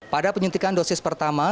pada penyuntikan dosis pertama